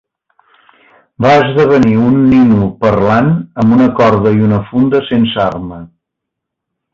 Va esdevenir un nino parlant amb una corda i una funda sense arma.